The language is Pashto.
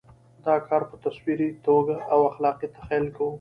دا کار په تصوري توګه او خلاق تخیل کوو.